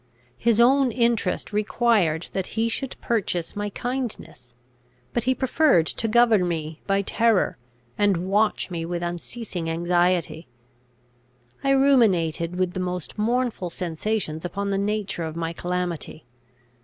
His own interest required that he should purchase my kindness; but he preferred to govern me by terror, and watch me with unceasing anxiety. I ruminated with the most mournful sensations upon the nature of my calamity.